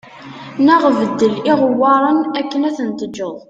Neɣ beddel iɣewwaṛen akken ad ten-teǧǧeḍ